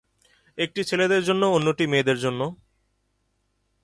একটি ছেলেদের জন্য আর অন্যটি মেয়েদের জন্য।